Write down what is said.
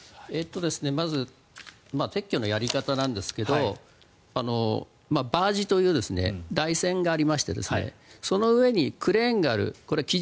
まず撤去のやり方なんですけどバージという台船がありましてその上にクレーンがある起